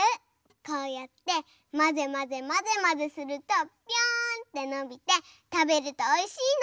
こうやってまぜまぜまぜまぜするとぴょんってのびてたべるとおいしいの！